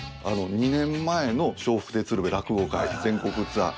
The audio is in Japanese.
２年前の『笑福亭鶴瓶落語会』全国ツアー。